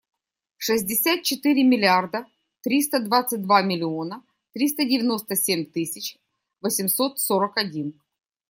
Шестьдесят четыре миллиарда триста двадцать два миллиона триста девяносто семь тысяч восемьсот сорок один.